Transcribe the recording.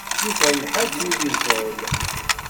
Yuker lḥaǧ mi yeẓẓul.